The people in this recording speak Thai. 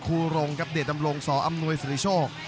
ครูโรงกับเดทอำรงสออำนวยศิริโชค